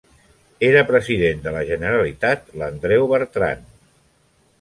Era President de la Generalitat l'Andreu Bertran.